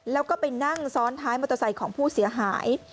แล้วก็ไปนั่งซ้อนท้ายมอเตอร์ไซค์ของผู้เสียหาย